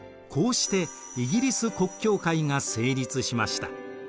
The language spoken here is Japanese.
こうしてイギリス国教会が成立しました。